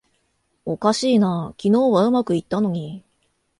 おかしいな、昨日はうまくいったのに